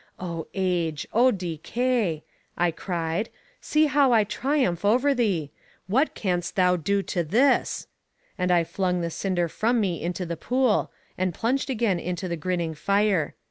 O Age! O Decay! I cried, see how I triumph over thee: what canst thou do to this? And I flung the cinder from me into the pool, and plunged again into the grinning fire.